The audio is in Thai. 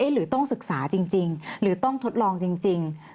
หรือต้องศึกษาจริงหรือต้องทดลองจริง